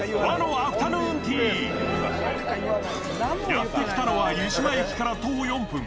やってきたのは湯島駅から徒歩４分。